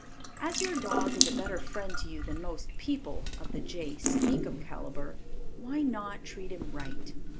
As your dog is a better friend to you than most people of the J. Sneakum caliber, why not treat him right?